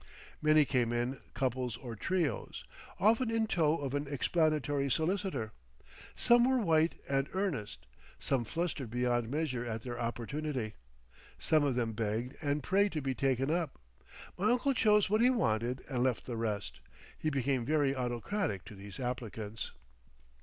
Many came in couples or trios, often in tow of an explanatory solicitor. Some were white and earnest, some flustered beyond measure at their opportunity. Some of them begged and prayed to be taken up. My uncle chose what he wanted and left the rest. He became very autocratic to these applicants.